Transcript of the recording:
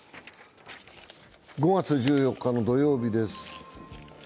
５月１４日の土曜日です。